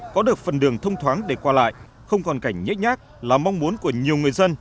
có được phần đường thông thoáng để qua lại không còn cảnh nhách nhác là mong muốn của nhiều người dân